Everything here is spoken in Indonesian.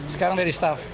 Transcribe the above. sekarang dia distaf